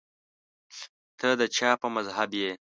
ته د چا په مذهب یې